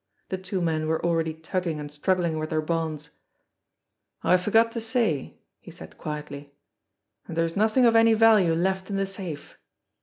The two men were already tugging and struggling with their bonds. "I forgot to say," he said quietly, "that there is nothing of any value left in the safe